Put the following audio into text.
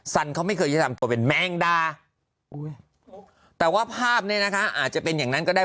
สันเขาไม่เคยจะทำตัวเป็นแมงดาแต่ว่าภาพเนี่ยนะคะอาจจะเป็นอย่างนั้นก็ได้